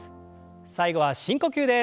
最後は深呼吸です。